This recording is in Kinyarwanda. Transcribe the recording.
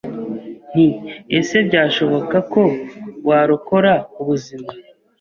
nti ese byashoboka ko warokora ubuzima